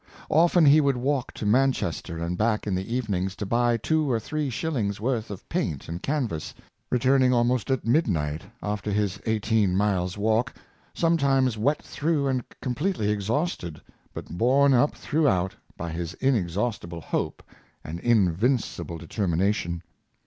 Often he would walk to Man chester and back in the evenings to buy two or three shillings' worth of paint and canvas, returning almost at midnight, after his eighteen miles' walk, sometimes wet through and completely exhausted, but borne up throughout by his inexhaustible hope and invincible de termination.